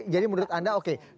jadi menurut anda oke